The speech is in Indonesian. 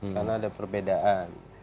karena ada perbedaan